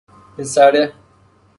پسره